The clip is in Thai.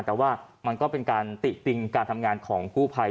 แต่ว่ามันก็เป็นการติติงการทำงานของกู้ภัย